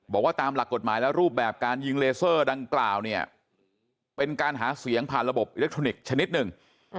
บอกว่าตามหลักกฎหมายและรูปแบบการยิงเลเซอร์ดังกล่าวเนี่ยเป็นการหาเสียงผ่านระบบอิเล็กทรอนิกส์ชนิดหนึ่ง